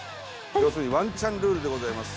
要するにワンチャンルールでございます。